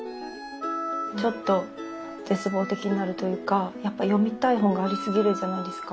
ちょっと絶望的になるというかやっぱ読みたい本がありすぎるじゃないですか。